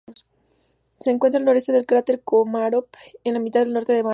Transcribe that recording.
Se encuentra al noroeste del cráter Komarov, en la mitad norte del mare.